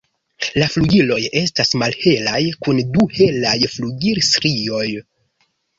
La flugiloj estas malhelaj kun du helaj flugilstrioj.